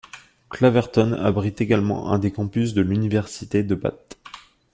Claverton abrite également un des campus de l'université de Bath.